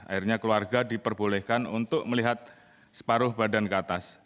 akhirnya keluarga diperbolehkan untuk melihat separuh badan ke atas